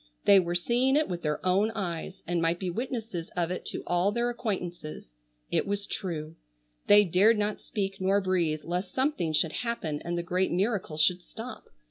They were seeing it with their own eyes, and might be witnesses of it to all their acquaintances. It was true. They dared not speak nor breathe lest something should happen and the great miracle should stop.